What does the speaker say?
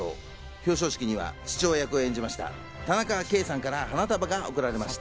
表彰式には父親役を演じました田中圭さんから花束が贈られました。